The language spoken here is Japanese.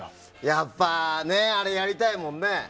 やっぱりねあれをやりたいもんね。